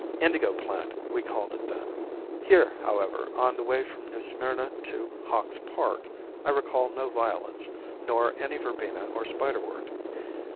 "Indigo plant," we called it then. Here, however, on the way from New Smyrna to Hawks Park, I recall no violets, nor any verbena or spiderwort.